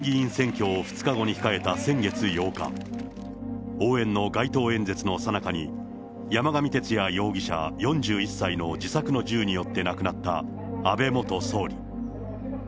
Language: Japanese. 参議院選挙を２日後に控えた先月８日、応援の街頭演説のさなかに山上徹也容疑者４１歳の自作の銃によって亡くなった、安倍元総理。